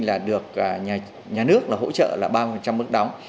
là được nhà nước hỗ trợ là ba mươi mức đóng